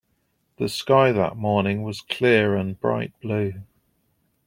The sky that morning was clear and bright blue.